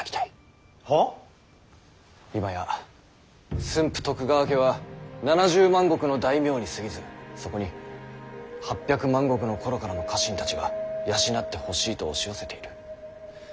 今や駿府徳川家は７０万石の大名にすぎずそこに８００万石の頃からの家臣たちが養ってほしいと押し寄せている。